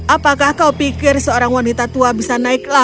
apakah kau pikir seorang wanita tua bisa naik kelas